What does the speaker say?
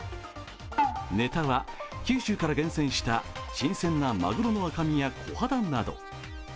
ネタは九州から厳選した新鮮なまぐろの赤身やこはだなど。